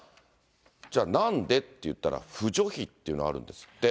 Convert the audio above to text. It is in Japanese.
じゃあ、なんでっていったら、扶助費っていうのがあるんですって。